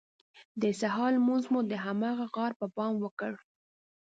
د سهار لمونځ مو د هماغه غار پر بام وکړ.